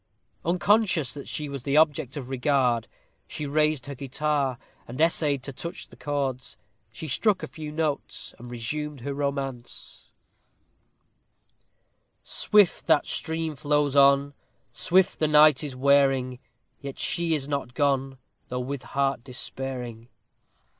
Unconscious that she was the object of regard, she raised her guitar, and essayed to touch the chords. She struck a few notes, and resumed her romance: Swift that stream flows on, Swift the night is wearing, Yet she is not gone, Though with heart despairing.